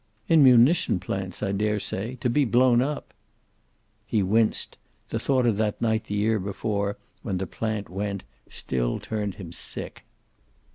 "In munition plants, I daresay. To be blown up!" He winced. The thought of that night the year before, when the plant went, still turned him sick.